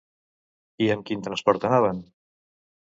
I amb quin transport anaven?